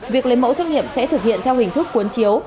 việc lấy mẫu xét nghiệm sẽ thực hiện theo hình thức cuốn chiếu